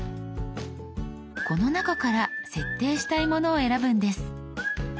この中から設定したいものを選ぶんです。